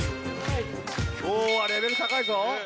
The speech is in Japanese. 今日はレベル高いぞ。